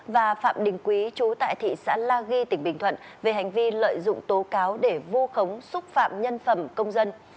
và phạm đình quý chú tại thị xã la ghi tỉnh bình thuận về hành vi lợi dụng tố cáo để vu khống xúc phạm nhân phẩm công dân